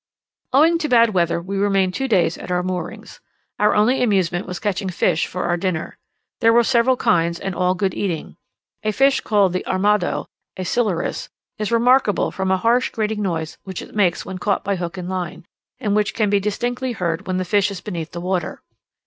Owing to bad weather we remained two days at our moorings. Our only amusement was catching fish for our dinner: there were several kinds, and all good eating. A fish called the "armado" (a Silurus) is remarkable from a harsh grating noise which it makes when caught by hook and line, and which can be distinctly heard when the fish is beneath the water.